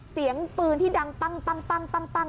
เสียงปืนที่ดังปั้ง